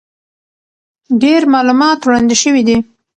ډېر معلومات وړاندې شوي دي،